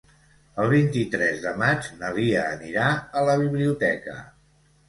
El vint-i-tres de maig na Lia anirà a la biblioteca.